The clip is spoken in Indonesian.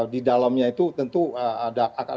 di dalamnya itu tentu ada